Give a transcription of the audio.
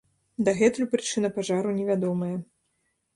Дагэтуль прычына пажару невядомая.